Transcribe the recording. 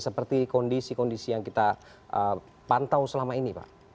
seperti kondisi kondisi yang kita pantau selama ini pak